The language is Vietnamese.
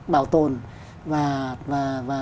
bảo tồn và